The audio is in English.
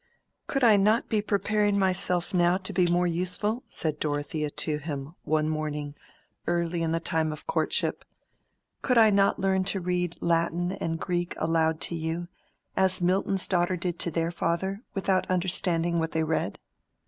"Could I not be preparing myself now to be more useful?" said Dorothea to him, one morning, early in the time of courtship; "could I not learn to read Latin and Greek aloud to you, as Milton's daughters did to their father, without understanding what they read?"